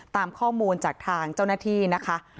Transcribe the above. ตามข้อมูลจากทางเจ้าหน้าที่นะคะ